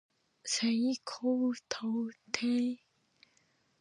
西高東低